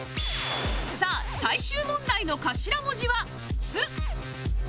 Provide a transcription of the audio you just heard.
さあ最終問題の頭文字は「つ」